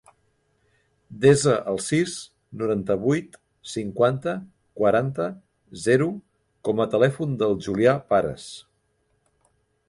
Desa el sis, noranta-vuit, cinquanta, quaranta, zero com a telèfon del Julià Pares.